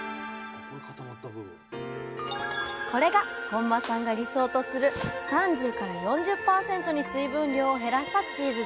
これが本間さんが理想とする３０４０％に水分量を減らしたチーズです